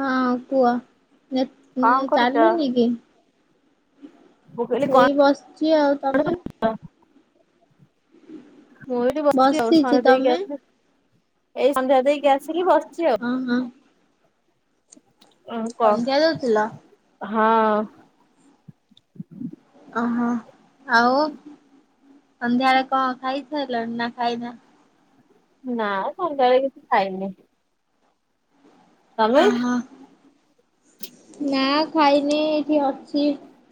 ହଁ କୁଅ। ନାଁ କଣ ଉଁ କରୁଛ? ଚାଲୁନି କିି? ମୁଁ କହିଲି କଣ ଏଇ ବସ୍ କିଏ ଆଉ ତମେ? ମୁଁ ଏଠି ବସିଚି ଆଉ ବସିଛି ସନ୍ଧ୍ୟା ଦେଇକି ତମେ? ଆସେ ଏଇ ସନ୍ଧ୍ୟା ଦେଇକି ଆସିଲି ବସିଚି ଆଉ। ଓହୋ ଓ କ ସନ୍ଧ୍ୟା ଦଉଥିଲ ହଁ। ଅହ ଆଉ ସନ୍ଧ୍ୟାଳେ କଣ ଖାଇସାଇଲଣି ନାଁ ଖାଇନା? ନାଁ ସଂଧ୍ୟାଳେ କିଛି ଖାଇନି। ତମେ? ଅ ହ ନାଁ ଖାଇନି ଏଇଠି ଅଛି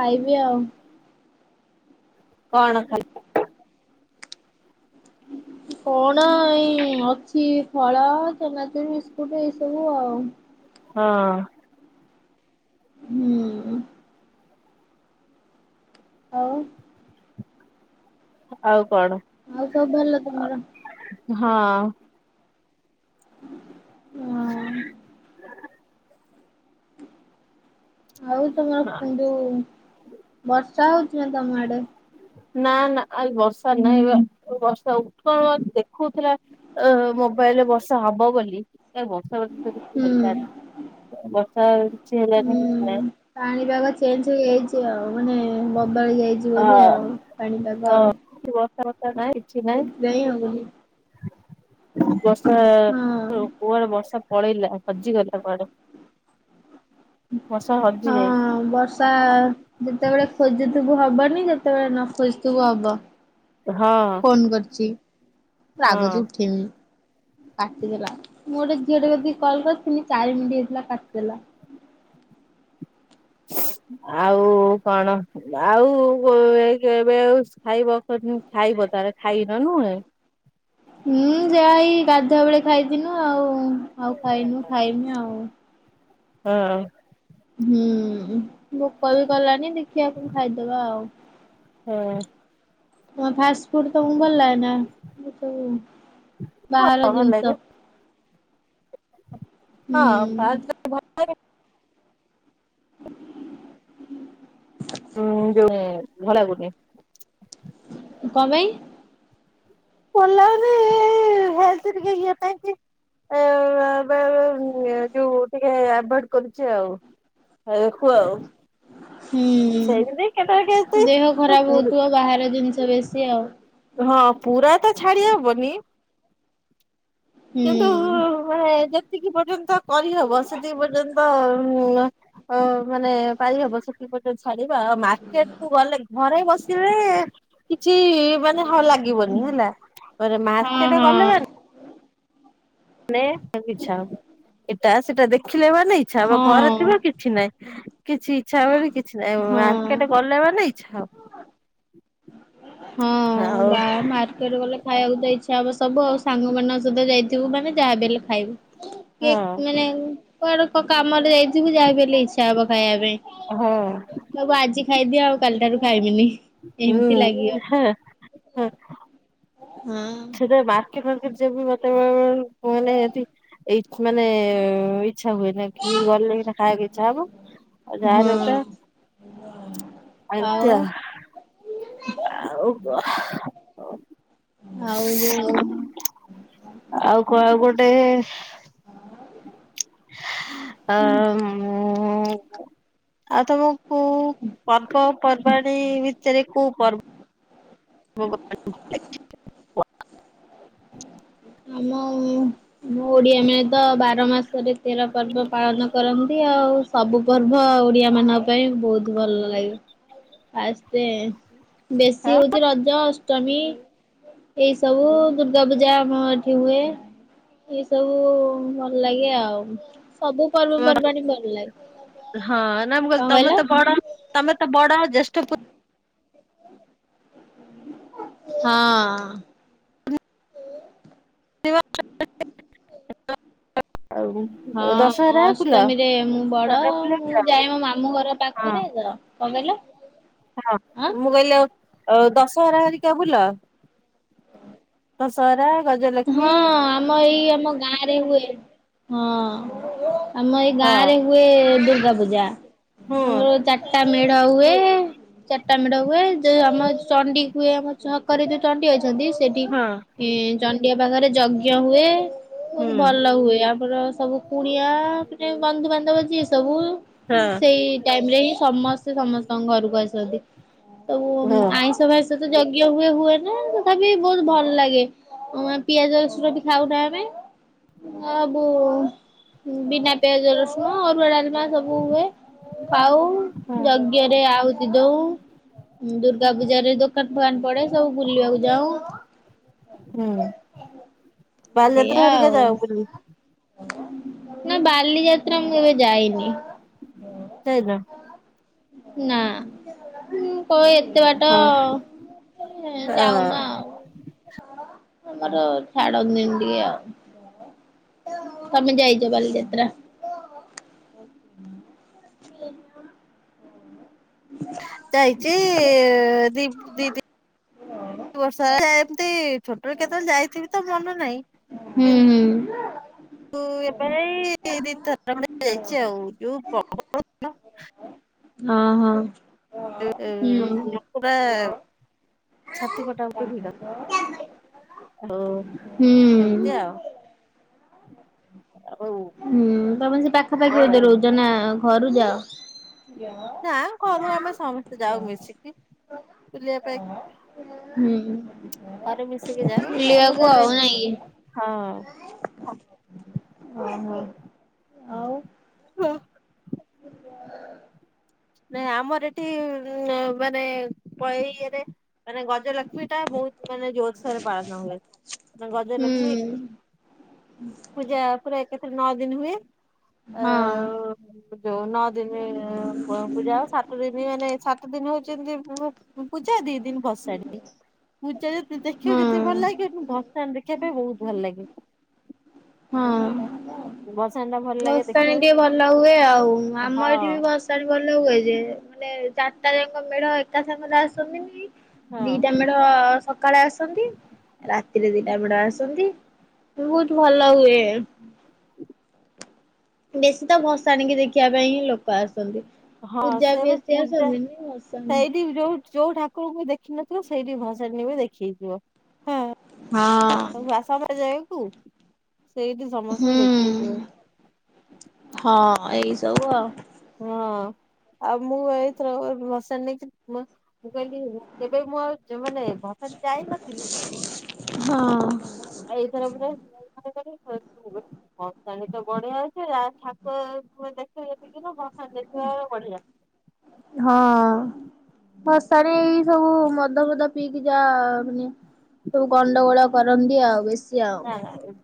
ଖାଇବି ଆଉ। କଣ ଖାଇଲ? କଣ ଏଇ ଅଛି ଫଳ ଚେନାଚୁର ବିସ୍କୁଟ ଏଇ ସବୁ ଆଉ ହଁ। ହୁଁ। ଆଉ। ଆଉ କଣ ଆଉ ସବୁ ଭଲ ତମର? ହଁ। [inaudible] [inaudible] [inaudible] ଆଉ ନା ତମର ଯୋଉ ବର୍ଷା ହଉଛି ମା ତମ ଆଡେ? ନା ନା ଆଜି ବର୍ଷା ନାହିଁ ବା ବର୍ଷା ଉଠଉ ଦେଖଉଥିଲା ଅ ମୋବାଇଲରେ ବର୍ଷା ହବ ବୋଲି ଏ ବର୍ଷା ବର୍ଷା ତ କିଛି ହୁଁ ହେଲାନି ବର୍ଷା କିଛି ହେଲାନି କିଛି ନାହିଁ ଞ୍ଜ ହେଇଯାଇଛି ଆଉ ମାନେ ବଦଳି ଯାଇଛି ହଁ ବୋଧେ ଆଉ ପାଣିପାଗ ଆଉ। [unintelligible] ର୍ଷା ନାଇଁ କିଛି ନାଇଁ ସେଥିପାଇଁ ଆଉ ହଁ ବର୍ଷା କୁଆଡେ ବର୍ଷା ପଳେଇଲା ହଜି ଗଲା କୁଆଡେ ବର୍ଷା ହଜି ହଁ ଯାଇଛି। ବର୍ଷା ଯେତେବେଳେ ଖୋଜଥୁିବୁ ହବନି ଯେତେବେଳେ ନ ଖୋଜଥିବୁ ହବ। ହଁ ଫୋନ କରଚି ରାଗ ହଁ ଚିଡୁଚି କାଟିଦେଲା ମୁଁ ଗୋଟେ ଝିଅ ଟେ କତିକି କଲ କରିଥିଲି ଚାରି ମିନିଟ ହେଇଥିଲା କାଟିଦେଲା ଆଉ କଣ ଆଉ ଏ କେବେ ଆଉ ଖାଇବ କ ଖାଇବ ତାହେଲେ ଖାଇନ ନୁହେଁ? ହୁଁ ଯାହା ଏଇ ଗାଧୁଆ ବେଳେ ଖାଇଥିନୁ ଆଉ ଆଉ ଖାଇନୁ ଖାଇମି ଆଉ। ହଁ। ହୁଁ ଭୋକ ବି କଲାଣି ଦେଖିଆ କଣ ଖାଇଦବା ଆଉ ହଁ। ତମେ ଫାଷ୍ଟ ଫୁଡ ତମୁକୁ ଭଲ ଲାଗେ ନା ଏ ଯୋଉ ବାହାର ଭଲ ଲାଗେ ଜିନିଷ ହଁ ହୁଁ ବାହାର୍ ଜି ଭଲ ଲାଗେ [inaudible] ଉଁ ଯୋଉ ଏ ଭଲ ଲାଗୁନି। କଣ ପାଇଁ? ଭଲ ଲାଗୁନି ଏଇ ହେଲ୍ଥ ଟିକେ ଇଏ ପାଇଁ କି ଅ ଯୋଉ ଟିକେ ଆଭଏଡ କରୁଛି ଆଉ ଖାଇଆକୁ ଆଉ। ହୁଁ ସେମିତି କେତେବେଳେ ଦେହ ଖରାପ କେମିତି ହଉଥିବ ବାହାର ଜିନିଷ ସେ ବେଶୀ ଆଉ। ହଁ ପୁରା ତ ଛାଡି ହବନି। ହୁଁ କିନ୍ତୁ ଊ ମାନେ ଯେତିକି ପର୍ଯ୍ୟନ୍ତ କରିହବ ସେତିକି ପର୍ଯ୍ୟନ୍ତ ଅ ଅ ମାନେ ପାଇହବ ସେତିପତି। ଛାଡିବା ଆଉ ମାର୍କେଟକୁ ଗଲେ ଘରେ ବସିଲେ କିଛି ମାନେ ହଁ ଲାଗିବନି ହେଲା ପରେ ହଁ ମାର୍କେଟ ହଁ ଗଲେ ମାନେ [unintelligible] ଇଚ୍ଛା ହବ ଏଟା ସେଟା ଦେଖ ଦେଖିଲେମାନେ ଇଚ୍ଛା ହବ ହଁ ଘରେ ଥିବ କିଛି ନାଇଁ। କିଛି ଇଚ୍ଛା ବେଳେ କି [unintelligible] ହଁ। ମାର୍କେଟ ଗଲେ ମାନେ ଇଚ୍ଛା ହବ। ହଁ ଆଉ ବା ମାର୍କେଟ ଗଲେ ଖାଇବାକୁ ତ ଇଚ୍ଛା ଅବସ୍ ସବୁ ଆଉ ସାଙ୍ଗମାନଙ୍କସହିତ ଯାଇଥିବୁ ମାନେ ଯାହା ବି ହେଲେ ଖାଇବୁ। କେକ୍ ହଁ ମନେଂ କୁଆଡେ କ କାମରେ ଯାଇଥିବୁ ଯାହାବି ହେଲେ ଇଚ୍ଛା ହବ ଖାଇଆ ପାଇଁ। ହଁ। କହିବୁ ଆଜି ଖାଇଦିଅ ଆଉ କାଲି ଠାରୁ ଖାଇବିନି। ଏମ୍ ତି ଲାଗିବ। ହେଁ ହୁଁ। ହୁଁ। କିବା ନିଜେ ବି ଗୋଟେଏ ମାନେ ଏଠି ଏଇ ମାନେ ଇଛା ହୁଏନି କି ଗଲେ ଖାଇବାକୁ ଇଛା ହବ ଆଉ ଯାହାଲେ ହଁ ଏମତି ଆଉ। ଆଉ କ ଓ ଆଉ ଯୋଉ ଆଉ ଆଉ କଣ ଗୋ ସେ ଆ ଉଁ ଆଉ ତମ କୋଉ ପର୍ବ ପର୍ବାଣୀ ଭିତରେ କୋଉ ପର୍ବ [inaudible] ଆମ ମୋ ଓଡିଆ ମେ ତ ବାର ମାସରେ ତେର ପର୍ବ ପାଳନ କରନ୍ତି ।ଆଉ ସବୁ ପର୍ବ ଓଡିଆ ମାନଙ୍କ ପାଇଁ ବହୁତ ଭଲ ଲାଗେ । ଫାଷ୍ଟେ ବେଶୀ ହଉଚି ରଜ ଷ୍ଟମି ଏଇ ସବୁ ଦୁର୍ଗା ପୂଜା ଆମ ଏଠି ହୁଏ ଏଇ ସବୁ ଭଲ ଲାଗେ ଆଉ। ସବୁ ହଁ ପର୍ବପର୍ବାଣୀ ଭଲ ଲାଗେ। ହଁ ନା ମୁଁ କଣ କଇଲି କହିଲ ତମେ ତ ବଡ ତମେ ତ ବଡ ଜେସ୍ ତ ପୁ ହଁ। ହ ହଁ ଅଷ୍ଟମୀରେ ମୁଁ ବଡ ମୁଁ ଯାଏ ମୋ ମାମୁଁ ଘର ହଁ ପାଖରେ ତ କଣ କହିଲ? ହଁ ଆଁ ମୁଁ କହିଲି ଅ ଦଶ ସହରା ହେରିକା ବୁଲ? ଦଶହରା ଗଜଲକ୍ଷ୍ମୀ ହଁ ଆମ ଏଇ ଆମ ଗାଁ ରେ ହୁଏ। ହଁ। ଆମ ଏଇ ହଁ ଗାଁ ରେ ହୁଏ ଦୁର୍ଗା ପୂଜା ହୁଁ ଆମର ଚାରିଟା ମେଢ ହୁଏ ଚାରଟା ମେଢ଼ ହୁଏ। ଯଉ ଆମ ଚଣ୍ଡି ହୁଏ ଆମ ଛକରେ ଯୋଉ ଚଣ୍ଡି ଅଛନ୍ତି ସେଠି ହଁ ଇ ଚ ପାଖରେ ଯଜ୍ଞ ହୁଏ ହୁଁ ବହୁତ ଭଲ ହୁଏ ଆମର ସବୁ କୁଣିଆ ଗୋଟେ ବନ୍ଧୁବାନ୍ଧବ ଯିଏ ସବୁ ହଁ ସେଇ ଟାଇମ ରେ ହିଁ ସମସ୍ତେ ସମସ୍ତଙ୍କ ଘରକୁ ଆସନ୍ତି। ତ ହଁ ଆଇଁଷ ଭାଇଁଷ ସେତ ଯଜ୍ଞ ହୁଏ ହୁଏ ନା ତଥାପି ବହୁତ ଭଲ ଲାଗେ। ହ ପିଆଜ ରସୁଣ ବି ଖାଉନା ଆମେ ଆଉ ବିନା ପିଆଜ ରସୁଣ ଅରୁଆ ଡାଲମା ମା ସବୁ ହୁଏ ପାଉ ଯଜ୍ଞରେ ଆହୁତି ଦଉ ଦୁର୍ଗା ପୂଜାରେ ଦୋକାନ ଫୋକାନ ପଡେ ସବୁ ବୁଲିବାକୁ ଯାଉ ହୁଁ, ଏଇଆ ବାଲିଯାତ୍ରା ହେରିକା ଆଉ ଯାଅ ବୁଲି ନା ବାଲିଯାତ୍ରା ମୁଁ କେବେ ଯାଇନି ଯାଇନ ନାଁ କଏ ଏତେ ବାଟ ହଁ ଯାଉନା ଆଉ ଆମର ଛାଡନ୍ତିନି ଟିକେ ଆଉ ତମେ ଯାଇ ଚ ବାଲିଯାତ୍ରା ଯାଇଚି ଦିପ ଦିଦି ବର୍ଷ ଏମତି ଛୋଟବେଳେ କେତେବେଳେ ଯାଇଥିବି ତ ମନ ନାହିଁ ହୁଁ ହୁଁ। କିନ୍ତୁ ଏବେ ଏଇ ଦିଥର ଖଣ୍ଡେ ଯାଇଛି ଆଉ ଯୋଉ ପ୍ରବଳ ହଁ ହଁ, ଯେ ହୁଁ ପୁରା ଛାତି ପଟା ପିଟି ଭିଡ଼, ଆଉ ଏମତି ହୁଁ। ଆଉ ଆଉ ହୁଁ ତମେ ସେ ପାଖାପାଖି କଣ ଏଇଠେ ରହୁଛ ନା। ଘରୁ ଯାଅ। ନା ଘରୁ ଆମେ ସମସ୍ତେ ଯାଉ ମିଶିକି ବୁଲିବା ପାଇଁ ହୁଁ। ଘରେ ମିଶିକି ଯାଉ ବୁଲିବାକୁ ଆମର ଆଉ ନାଇଁ କି? ହଁ। ଓ ହୋ ଆଉ। ହଁ। ନା ଆମର ଏଠି ମାନେ ଏଇ ଇଏରେ ମାନେ ଗଜ ଲ ଲକ୍ଷ୍ମୀ ଟା ବହୁତ ମାନେ ଜୋରସରେ ପାଳନ ହୁଏ। ମ ହୁଁ ଗଜଲକ୍ଷ୍ମୀ ପୂଜା ପରେ କେତେରେ ନଅ ଦିନ ହୁଏ। ଅ ହଁ ଯୋଉ ନଅ ଦିନ ପୂଜା ହବ ସାତ ଦିନ ମାନେ ସାତ ଦିନ ହେଉଛିନ୍ତି। ପୂଜା ଦି ଦିନ ଭସାଡି ପୂଜା ଯି ଦେଖିବ ହଁ ଯେତିି ଭଲ ଲାଗିବନି। ଭ ତା ଦେଖିବା ପାଇଁ ବହୁତ ଭଲ ଲାଗେ। ହଁ। ସେ ବ ଭଷାଣୀ ଟିକେ ଭଲ ହୁଏ ଆଉ। ଆମ ହଁ ଏଠି ବି ଭଷାଣୀ ଭଲ ହୁଏ ଯେ। ମାନେ ଚାରଟା ଯାଙ୍କ ମେଢ ଏକା ସାଙ୍ଗରେ ଆସନ୍ତିନି। ହଁ ଦିଟା ମେଢ ସକାଳେ ଆସନ୍ତି। ରାତିରେ ଦି ଏପଟେ ଆସନ୍ତି ବହୁତ ଭଲ ହୁଏ। ବେଶୀ ତ ଭସାଣିକି ଦେଖିବା ପାଇଁ ହିଁ ଲୋକ ଆସନ୍ତି। ହଁ ପୂଜା ବି ସେବେ ବେଶୀ ପୂଜା ଆସନ୍ତିନି ଭସାଣି। ସେଇଠି ଯୋଉ ଯୋଉ ଠା କୋଉ କୋଉ ଦେଖିନଥିବ ସେଇଠି ଭାଷାଣି ହୁଏ ଦେଖିକି ଯିବ। ହଁ। ହଁ। ହଉ ଆସାମରେ ଯାଇଁ କୁ। ହୁଁ ହଁ ଏଇ ସବୁ ଆଉ। ହଁ ଆଉ ମୁଁ ଏଥର ମସା ନେଇକି କହିଲି କେବେ ମୁଁ ଆଉ ମାନେ ଭଟାନ ଯାଇନଥିଲି। ହଁ ଆଉ ଏଇଥର ପୁରା ହ ହଉ। ତଣି ତ ବଢିଆ ଅଛି ଠାକୁରେ ଦେଖିବ ଯେତିକି। ଆ ଯେତେ ବଢିଆ। ହଁ। ଭସାଣି ଏଇ ସବୁ ମଦ ଫଦ ପିଇକି ଯା ମାନେ ସବୁ ଗଣ୍ଡଗୋଳ କରନ୍ତି ଆଉ ବେଶୀ। ଆଉ। ହଁ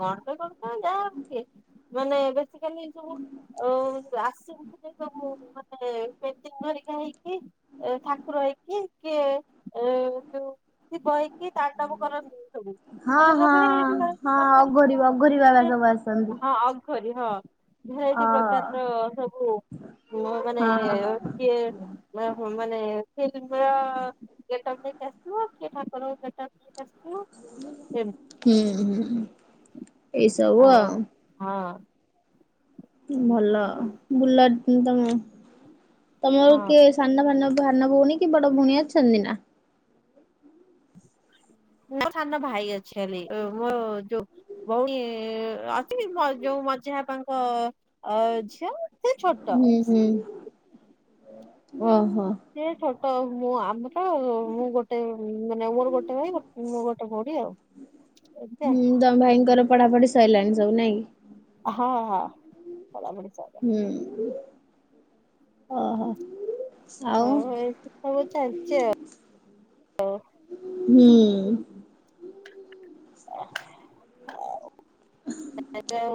ଗଣ୍ଡଗୋଳ ତ ଯାହା ହୁଏ ମାନେ ବେସିକାଲି ଏସବୁ ଅ ଆସିନ୍ତିନେଇ ହୁଁ। ଏ ପେଣ୍ଟିଙ୍ଗ ହରିକା ହେଇକି ଏ ଠାକୁର ହେଇକି କିଏ ଏ ଯୋଉ ଶିବ ହେଇ କି ତା କାମ କରନ୍ତି ସବୁ ଆଲୋ ହେ ଭେରି ଅଁ ହଁ ଅଘୋରି ଆଘୋରି ବାବା ସବୁ ଆସନ୍ତି। ସରି, ହଁ। ଭେରାଇଟି ହଁ ପ୍ରକାରର ସବୁ ଉ ମାନେ ହଁ। କିଏ ମ ହୁଁ ମାନେ ମାନେ ଫିଲ୍ମର ଗେଟ୍ ଅପ୍ ନେଇ କି ଆସଥିବ କିଏ ଠାକୁରଙ୍କ ଗେଟ୍ ଅପ୍ ନେଇ ହୁଁ ହୁଁ। ଏଇସବୁ ଆଉ। ହଁ। ଭଲ ବୁଲା ଇଁ ତମେ ତମର ହଁ କିଏ ସାନ ଭାନ ସାନ ଭୋଉଣୀ କି ବଡ ଭୋଉଣୀ ଅଛନ୍ତି ନାଁ? ନାଁ ସାନ ଭାଇ ଅ ଛନି ଓ ମୋ ଯୋଉ ଭୋଉଣୀ ଅଛି ମୋର ଯୋଉ ମଝିଆ ଆପାଙ୍କ ଅ ଝିଅ। ସେ ଛୋଟ ଉଁ ହୁଁ। ଓହୋ। ତ ମୁଁ ଆମ ହଉ ମୁଁ ଗୋଟେ ଉଁ ମାନେ ଆମର ଗୋଟେ ଭାଇ ଗୋ ମୁଁ ଗୋଟେ ଭୋଉଣୀ ଆଉ ଏମତି ଆଉ। ପଢ଼ାପଢ଼ି ସଇଲାଣି ସବୁ ନାଇଁ କି? ହଁ ହଁ। ପଢାପଢି ସଇଲାଣି ହୁଁ। ଅ ହ। ହଉ ଏଇଠି ସବୁ ଚାଲିଚି ଆଉ ହଉ। ହୁଁ। ଓଃ ଆଉ ଏବେ ଆଉ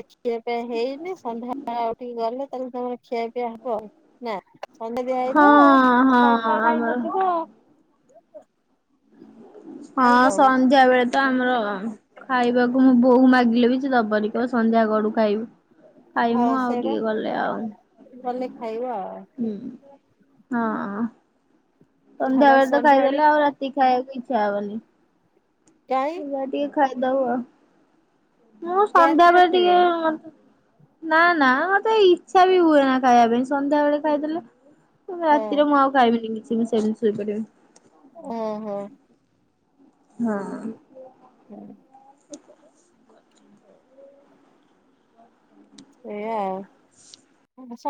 ଯେ ଖିଆ ପିଆ ହେଇନି ସନ୍ଧ୍ୟା ଆଉ ଟିକେ ଗଲେ ତାକୁ ତାପରେ ଖିଆ ପିଆ ହବ ଆଉ ନାଁ ସନ୍ଧ୍ୟା ଦିଆ ହଁ ହେଇଥିବ ହଁ ସାନଟା ଖାଇ ଆମର ନଥିବ। ଖାଇବ ହଁ ଆଉ ସନ୍ଧ୍ୟା ବେଳେ ତ ଆମର ଖାଇବାକୁ ମୁଁ ବୋଉକୁ ମାଗିଲେ ବି ସେ ଦବନି କହିବ ସନ୍ଧ୍ୟା ଗଡୁ। ଖାଇବୁ। ହଁ ଖାଇମୁ ଆଉ ସେଇବା ଟିକେ ଗଲେ ଆଉ ଗଲେ ଖାଇବା ଆଉ। ହୁଁ। ହଁ ସନ୍ଧ୍ୟାବେଳେ ତ ଖାଇଦେଲେ ଆଉ ରାତିକି ଖାଇବାକୁ ଇ ଖିଆହବନି। କାଇଁ ମୁ ବା ଟିକେ ଖାଇ ଦଉ ଆଉ। ମୁଁ ଗ୍ୟାସ୍ ସନ୍ଧ୍ୟାବେଳେ ଟିକେ ଆସିବେ ନା ନା ମତେ ଇଚ୍ଛା ବି ହୁଏ ନା ଖାଇବା ପାଇଁ ସନ୍ଧ୍ୟାବେଳେ ଖାଇଦେଲେ। ହଁ ରାତିରେ ମୁଁ ଆଉ ଖାଇବିନି କି ସେମତୀ ଶୋଇ ପଡ଼ିବି। ଓହୋ। ହଁ। ସେୟା ସେଇୟା ଆଉ। ଆଚ୍ଛା